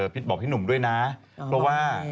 พี่บอกพี่หนุ่มด้วยเนาะ